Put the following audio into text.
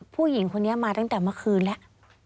ผู้หญิงคนนี้มาตั้งแต่เมื่อคืนแล้ว